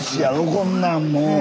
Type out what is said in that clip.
こんなんもう。